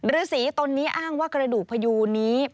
ฤษีตนนี้อ้างว่ากระดูกพยูนี้